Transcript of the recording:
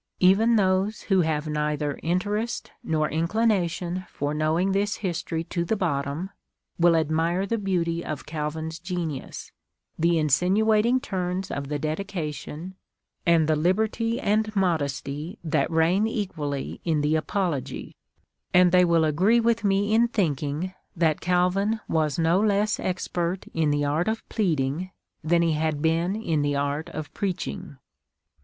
Even those who have neither *" Un mouumcnt authentique ;"—" An authentic monument." TRANSLATORS PREFACE. XI interest nor inclination for knowing this history to the bottom, will admire the beauty of Calvin's genius, the in sinuating turns of the Dedication, and the liberty and modesty that reign equally in the Apology ; and they will agree with me in thinking, that Calvin was no less expert in the art of pleading, than he had been in the art of preaching."